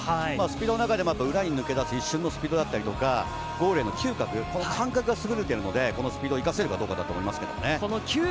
スピードの中でも、裏に抜け出す一瞬のスピードだったりとか、ゴールへの嗅覚、感覚が優れているので、そのスピードを生かせるかだと思います。